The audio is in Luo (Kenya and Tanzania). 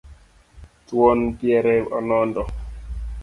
Thuon piere onondo